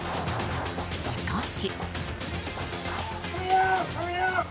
しかし。